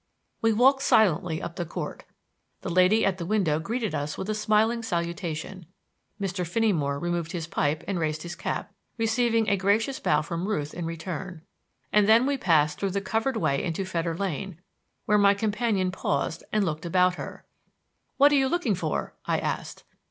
We walked silently up the court. The lady at the window greeted us with a smiling salutation, Mr. Finneymore removed his pipe and raised his cap, receiving a gracious bow from Ruth in return, and then we passed through the covered way into Fetter Lane, where my companion paused and looked about her. "What are you looking for?" I asked.